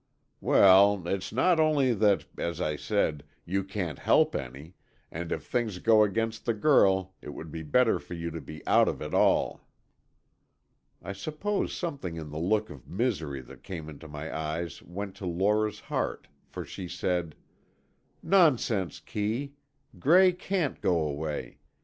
"Well, it's only that, as I said, you can't help any, and if things go against the girl, it would be better for you to be out of it all." I suppose something in the look of misery that came into my eyes went to Lora's heart, for she said: "Nonsense, Kee, Gray can't go away.